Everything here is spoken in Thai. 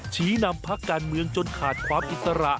ชี้นำพักการเมืองจนขาดความอิสระ